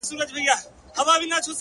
ځمه له روحه مي بدن د گلبدن را باسم!